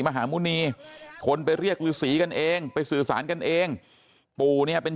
มหาหมุณีคนไปเรียกฤษีกันเองไปสื่อสารกันเองปู่เนี่ยเป็น